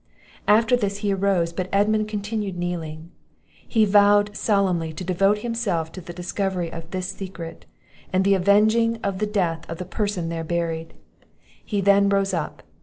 After this, he arose; but Edmund continued kneeling he vowed solemnly to devote himself to the discovery of this secret, and the avenging the death of the person there buried. He then rose up.